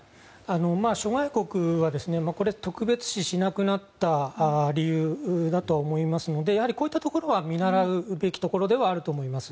諸外国はこれを特別視しなくなった理由だと思いますのでこういったところは見習うべきところだと思います。